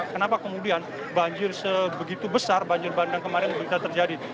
kenapa kemudian banjir sebegitu besar banjir bandang kemarin bisa terjadi